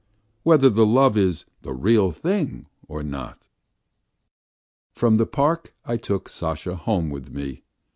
Whether the love is "the real thing" or not? From the park I took Sasha home with me.